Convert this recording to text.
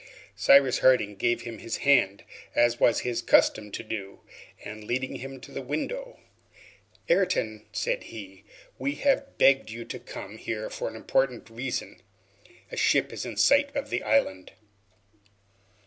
Cyrus Harding gave him his hand, as was his custom to do, and, leading him to the window, "Ayrton," said he, "we have begged you to come here for an important reason. A ship is in sight of the island."